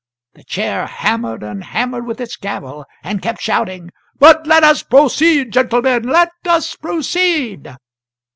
The Chair hammered and hammered with its gavel, and kept shouting: "But let us proceed, gentlemen, let us proceed!"